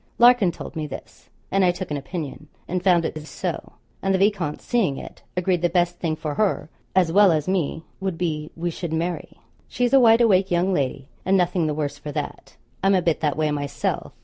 Larkin told me this and I took an opinion and found it is so; and the viscount seeing it, agreed the best thing for her as well as me would be, we should marry. She is a wide awake young lady, and nothing the worse for that: I'm a bit that way myself.